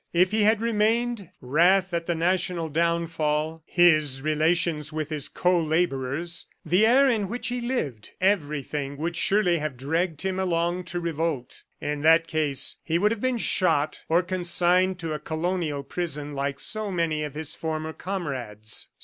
If he had remained, wrath at the national downfall, his relations with his co laborers, the air in which he lived everything would surely have dragged him along to revolt. In that case, he would have been shot or consigned to a colonial prison like so many of his former comrades.